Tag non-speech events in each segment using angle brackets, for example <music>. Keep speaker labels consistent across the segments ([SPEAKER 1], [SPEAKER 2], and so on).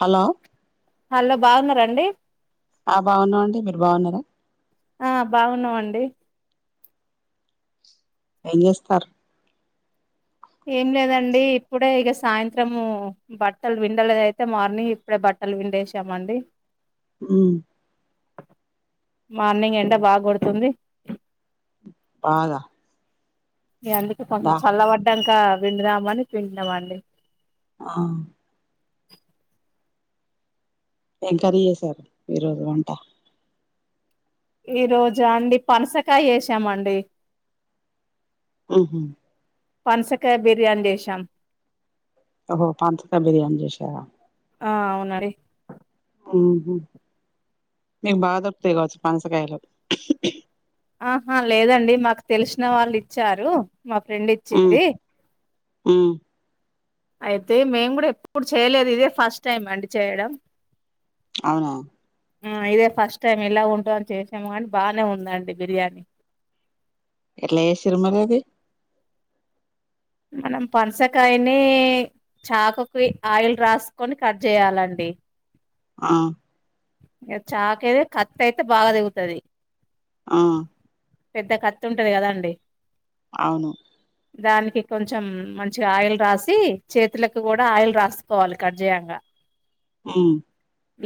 [SPEAKER 1] Hello
[SPEAKER 2] hello బాగున్నర అండి
[SPEAKER 1] ఆ బాగున్నాం అండి మీరు బాగున్నరా
[SPEAKER 2] ఆ బాగున్నమండి
[SPEAKER 1] ఏం జేస్తారు
[SPEAKER 2] ఏం లేదండి ఇప్పుడే ఇగ సాయంత్రము, బట్టలు విండలేదైతే మార్నింగ్ ఇప్పుడే బ. టల్ విండేశామండి
[SPEAKER 1] ఊ
[SPEAKER 2] మార్నింగ్ ఎండ బా గొడుతుంది
[SPEAKER 1] బాగ
[SPEAKER 2] ఇగ అందుకే కొంచెం చల్ల వడ్డంక విండుదామని పిన్నామండి
[SPEAKER 1] ఆ ఏం కర్రి ఏసారు ఈ రోజు వంట
[SPEAKER 2] ఈ రోజా అండి పనసకాయ ఏసామండి
[SPEAKER 1] ఉహు
[SPEAKER 2] పనసకాయ బిర్యానీ జేసాం
[SPEAKER 1] ఒహో పంసకాయ్ బిర్యానీ చేసారా
[SPEAKER 2] ఆ అవున <inaudible> డి
[SPEAKER 1] ఊహు మీకు బాగా దొర్కుతాయి కావచ్చు పన్సకాయలు
[SPEAKER 2] ఆహా లేదండి మాకు తెలిసిన వాళ్ళు ఇచ్చారు మా ఫ్రెండ్ ఇచ్చింది
[SPEAKER 1] ఉ
[SPEAKER 2] అయితే మేం గూడ ఎప్పుడు చేయలేదు ఇదే ఫస్ట్ టైం అండి చేయడం
[SPEAKER 1] అవునా
[SPEAKER 2] ఆ ఇదే ఫస్ట్ టైం ఇలా ఉంటదని చేసాము గాని బానే ఉందండి బిర్యాని
[SPEAKER 1] ఎట్ల ఏశిరు మరి అది
[SPEAKER 2] మనం పన్సకాయనీ చాకుకి ఆయిల్ రాసుకొని కట్ చేయాలండి
[SPEAKER 1] ఆ
[SPEAKER 2] ఏ చాకే అది కత్తి అయితే బాగా దెగుతది
[SPEAKER 1] ఆ
[SPEAKER 2] పెద్ద కత్తుంటది గదా అండి
[SPEAKER 1] అవును
[SPEAKER 2] దానికి కొంచెం మంచిగా ఆయిల్ రాసి, చేతులకు కూడా ఆయిల్ రాసుకోవాలి కడ్జేయంగ.
[SPEAKER 1] ఉ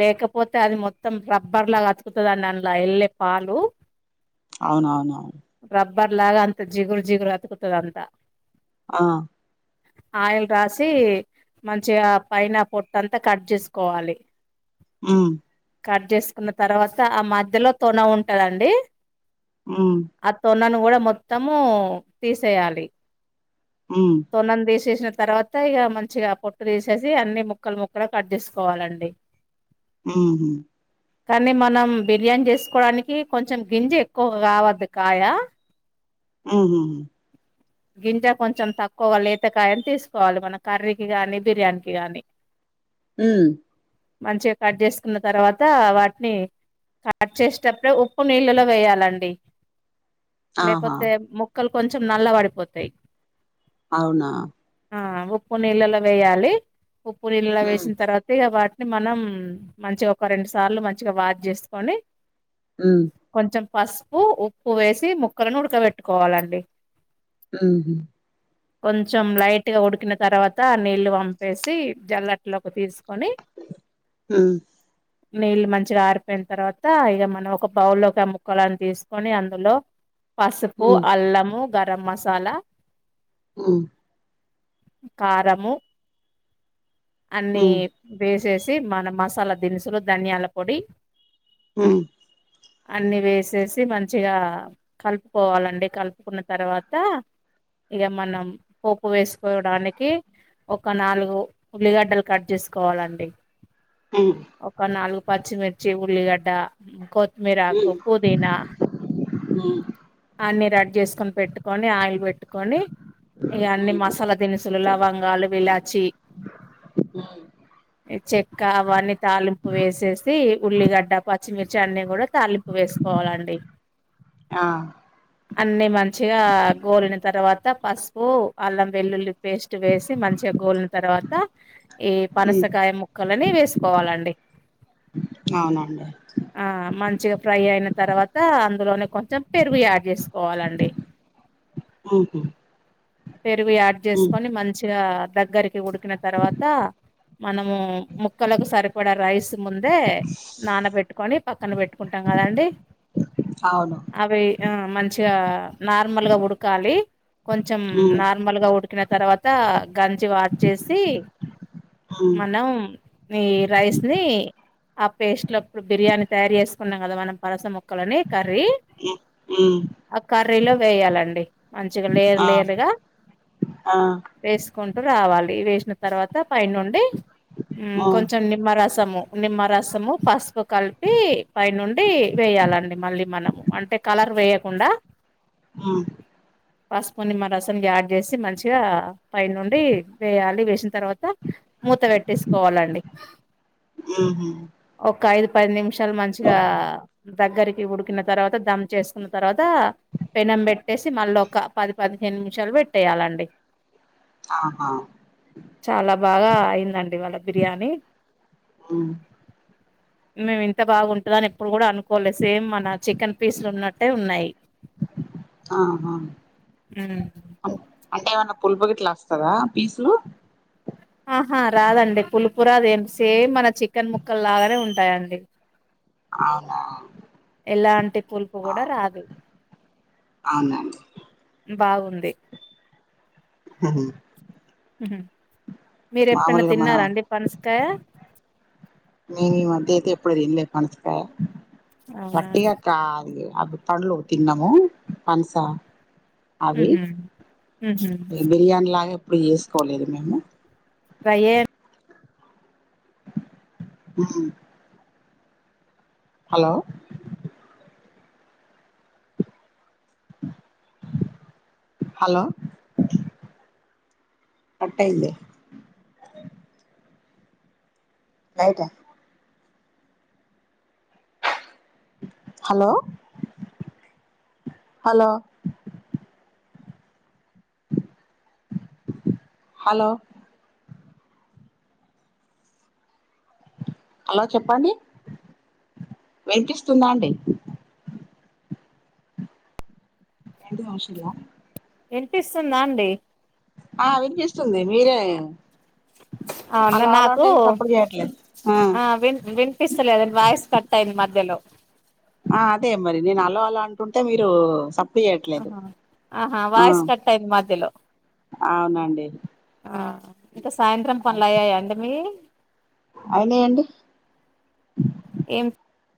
[SPEAKER 2] లేకపోతే అది మొత్తం రబ్బర్ లాగ అతుకుతదండి అన్ల ఎళ్ళే పాలు
[SPEAKER 1] అవునవున
[SPEAKER 2] బర్లగా అంత జిగురు జిగురు అతుకుతుది అంత
[SPEAKER 1] ఆ
[SPEAKER 2] ఆయిల్ రాసి మంచిగా పైన పొట్టంతా కట్ చేసుకోవాలి
[SPEAKER 1] ఉ
[SPEAKER 2] కట్ చేసుకున్న తర్వాత ఆ మధ్యలో తొన ఉంటదండి
[SPEAKER 1] ఉమ్
[SPEAKER 2] ఆ తొనను మూడ మొత్తమూ తీసేయాలి
[SPEAKER 1] ఉమ్
[SPEAKER 2] తొనన్ తీసేశ్న తర్వాత ఇగ మంచిగా పొట్టు తీసేసి అన్నీ ముక్కలు ముక్కలుగ కట్ చేసుకోవాలండి
[SPEAKER 1] ఊహు
[SPEAKER 2] కానీ మనం బిర్యానీ చేసుకోవడానికి కొంచెం గెంజెక్కువ కావద్దు కాయ
[SPEAKER 1] ఉహు
[SPEAKER 2] గింజ కొంచెం తక్కువగా లేతకాయని తీసుకోవాలి మన కర్రీకి గాని బిర్యానీకి గానీ
[SPEAKER 1] మ్.
[SPEAKER 2] మంచిగ కట్ చేసుకున్న తర్వాత వాట్ని కట్ చేసేటప్పుడే ఉప్పు నీళ్ళలో వేయాలండి.
[SPEAKER 1] ఆహా
[SPEAKER 2] లేకపోతే ముక్కలు కొంచెం నల్ల పడిపోతాయ్.
[SPEAKER 1] అవునా
[SPEAKER 2] ఆ ఉప్పు నీళ్ళలో వేయాలి. ఉప్పు నీళ్ళలో
[SPEAKER 1] ఉమ్
[SPEAKER 2] వేసిన తర్వాత ఇక వాట్ని మనం మంచిగ ఒక రెండు సార్లు మంచిగ వాష్ చేసుకొని
[SPEAKER 1] ఉమ్
[SPEAKER 2] కొంచెం పసుపు ఉప్పు వేసి ముక్కలను ఉడకబెట్టుకోవాలండి.
[SPEAKER 1] ఆహా
[SPEAKER 2] కొంచం లైట్ గా ఉడికిన తర్వాత నీళ్లు వంపేసి జల్లట్లోకి తీసుకొని
[SPEAKER 1] మ్
[SPEAKER 2] నీళ్ళు మంచిగా ఆరిపోయిన తర్వాత ఇక మనం ఒక బౌల్లోకి ముక్కలని తీసుకొని అందులో పసుపు
[SPEAKER 1] ఉమ్
[SPEAKER 2] అల్లము గరం మసాలా
[SPEAKER 1] ఆ
[SPEAKER 2] కారము అన్ని
[SPEAKER 1] ఉమ్
[SPEAKER 2] వేసేసి మనం మసాలా దిన్సులు ధనియాల పొడి.
[SPEAKER 1] ఆ
[SPEAKER 2] అన్నీ వేసేసి మంచిగా కలుపుకోవాలండి కలుపుకున్న తర్వాత ఇగ మనం పోపు వేసుకోవడానికి ఒక నాలుగు ఉల్లిగడ్డలు కట్చేసుకోవాలండి.
[SPEAKER 1] ఉమ్,
[SPEAKER 2] ఒక నాలుగు పచ్చిమిర్చి ఉల్లిగడ్డ కో త్మిరాకు
[SPEAKER 1] ఉమ్,
[SPEAKER 2] పుదీనా
[SPEAKER 1] ఉమ్,
[SPEAKER 2] అన్ని రడీ చేస్కొని పెట్టుకొని ఆయిల్ పెట్ ట్టుకొని ఇగన్నీ మసాలా దిన్సులు లవంగాలు ఇలాచి
[SPEAKER 1] ఉమ్,
[SPEAKER 2] ఈ చెక్క ఇవన్నీ తాలింపు వేసేసి ఉల్లిగడ్డ పచ్చిమిర్చి అన్ని కూడా తాలింపు వేసుకోవాలండి.
[SPEAKER 1] ఆ
[SPEAKER 2] అన్నీ మంచిగా గోలిన తర్వా తా పసుపు అల్లం వెల్లుల్లి పేస్ట్ వేసి మంచిగ గోలిన తర్వాత ఈ
[SPEAKER 1] ఉమ్,
[SPEAKER 2] పనసకాయ ముక్కలని వేసు కోవాలండి.
[SPEAKER 1] అవునండి
[SPEAKER 2] ఆ మంచిగా ఫ్రై అయిన తర్వాత అందులోనే కొంచెం పెరుగు యాడ్ చేసుకోవాలండి.
[SPEAKER 1] ఉహు,
[SPEAKER 2] పెరుగు యాడ్
[SPEAKER 1] ఉమ్,
[SPEAKER 2] చేసుకొని మంచిగా దగ్గరికి ఉడికిన తర్వాత మనము ము క్కలకు సరిపడ రైస్ ముందే నాన పెట్టుకొని పక్కన పెట్టుకుంటాం కదండి.
[SPEAKER 1] అవును
[SPEAKER 2] అవి ఆ మంచిగా నార్మల్గా ఉడకాలి. కొంచం
[SPEAKER 1] ఉమ్,
[SPEAKER 2] నార్మల్గా ఉడికిన తర్వా త గంచి వంచేసి
[SPEAKER 1] ఉమ్,
[SPEAKER 2] మనం ఈ రైస్ ని ఆ పేస్ట్లో అప్పుడు బిర్యాని తయారు చేసుకున్నాం కదా మనం పనస ముక్ క్కలని కర్రీ.
[SPEAKER 1] ఉమ్,
[SPEAKER 2] ఆ కర్రీలో వేయాలండి. మంచిగా లేయర్
[SPEAKER 1] ఆ
[SPEAKER 2] లేయల్రుగా
[SPEAKER 1] ఆ ఆ,
[SPEAKER 2] వేసుకుంటు రావాలి వేసిన తర్వాత పై నుండి మ్ కొంచెం నిమ్మరసము. నిమ్మరసము పసుపు కలిపి పై నుండి వేయాలండి మళ్ళీ మనం. అంటే కలర్ వేయకుండా
[SPEAKER 1] హ్మ్.
[SPEAKER 2] పసుపు నిమ్మ రసం యాడ్ చేసి మంచిగా పై నుండి వేయాలి వేసిన తర్వాత మూత పెట్టేసుకోవాలండి
[SPEAKER 1] ఆహా
[SPEAKER 2] ఒక ఐదు పది నిమిషాలు మంచిగా దగ్గరికి ఉడికిన తర్వాత దమ్ చేసుకున్న తర్వాత పెనం పెట్టేసి మళ్ళీ ఒక పది పదిహేను నిమిషాలు పెట్టేయాలండి
[SPEAKER 1] ఆహా
[SPEAKER 2] చాలా బాగా అయిందండి ఇవాళ్ళ బిర్యానీ
[SPEAKER 1] అ
[SPEAKER 2] నిన్న నేన్ అంత బాగుంటంద అని ఎప్పుడు కూడా అనుకోలే సేమ్ మన చికెన్ పీస్లు ఉన్నట్టే ఉన్నాయి
[SPEAKER 1] ఆహా అంటే ఏమన్న పులపు గిట్లా వస్తదా పీసు
[SPEAKER 2] ఆహా రాదండి పులుపురాదండి అంటె సేమ్ మన చికెన్ ముక్కలు లాగానే ఉంటాయండి
[SPEAKER 1] అవునా
[SPEAKER 2] ఎలాంటి పులుపు
[SPEAKER 1] ఆ,
[SPEAKER 2] కూడా రాదు
[SPEAKER 1] అవునండి
[SPEAKER 2] బాగుంది
[SPEAKER 1] అవును
[SPEAKER 2] మీరు ఎప్పుడైనా తిన్నారాండి పనసకాయ
[SPEAKER 1] నేన్ ఈ మధ్య ఐతే ఎపుడు తినలే పనసకాయ
[SPEAKER 2] అవునా
[SPEAKER 1] వట్టిగా
[SPEAKER 2] అండి
[SPEAKER 1] కా అబు పండ్లు తిన్నము పనస అవి
[SPEAKER 2] ఉహు ఉహు
[SPEAKER 1] బిర్యానీ లాగా ఎప్పుడు చేసుకోలేదు మేము
[SPEAKER 2] ట్రయర్
[SPEAKER 1] ఆహ హలో హలో కట్టయింది లైటా హలో హలో హలో అలో చెప్పండి వినిపిస్తుందా అండి ఏంటి మనుషులదా
[SPEAKER 2] వినిపిస్తుందా అండి
[SPEAKER 1] ఆ వినిపిస్తుంది మీరే
[SPEAKER 2] అవును
[SPEAKER 1] హలో హలో
[SPEAKER 2] నాకూ
[SPEAKER 1] అంటే సప్పుడు చేయట్లేదు
[SPEAKER 2] ఆ విన్ వినిపిస్తలేదండి వాయిస్ కటయింది మధ్యలో
[SPEAKER 1] ఆ అదే మరి నేను అలో అలో అంటుంటే మీరు సప్
[SPEAKER 2] ఆహా ఆహా వాయిస్ కట్టయింది మధ్యలో
[SPEAKER 1] అవునండి
[SPEAKER 2] ఇంక సాయంత్రం పనులయ్యాయాండి మియ్యి
[SPEAKER 1] అయినయండి
[SPEAKER 2] ఏం